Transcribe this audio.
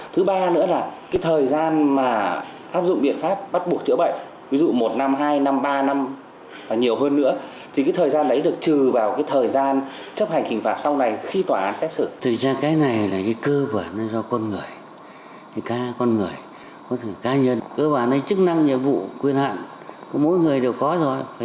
thứ ba nữa là cái thời gian mà áp dụng biện pháp bắt buộc chữa bệnh ví dụ một năm hai năm ba năm và nhiều hơn nữa